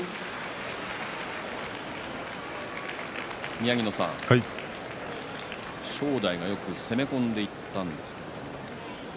宮城野さん、正代がよく攻め込んでいったんですけどね。